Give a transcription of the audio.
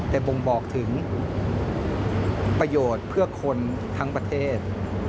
แต่บ่งบอกถึงประโยชน์เพื่อคนทั้งประเทศ